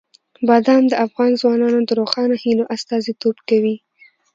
بادام د افغان ځوانانو د روښانه هیلو استازیتوب کوي.